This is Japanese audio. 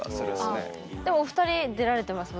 でもお二人出られてます